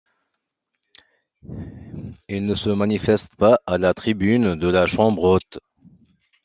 Il ne se manifeste pas à la tribune de la Chambre-haute.